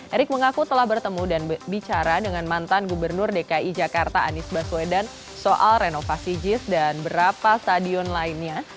erick mengaku telah bertemu dan bicara dengan mantan gubernur dki jakarta anies baswedan soal renovasi jis dan berapa stadion lainnya